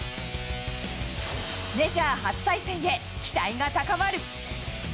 メジャー初対戦へ、期待が高まる。